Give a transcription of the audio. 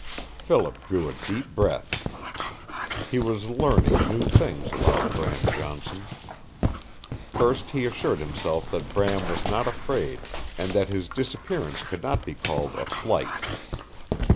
Philip drew a deep breath. He was learning new things about Bram Johnson. First he assured himself that Bram was not afraid, and that his disappearance could not be called a flight.